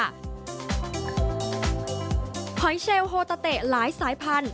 หอยเชลโฮตาเตะหลายสายพันธุ